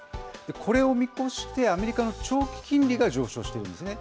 これを見越して、アメリカの長期金利が上昇しているんですね。